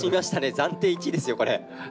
暫定１位ですよこれ。